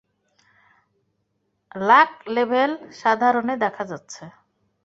Lakh level সাধারণই দেখা যাচ্ছে।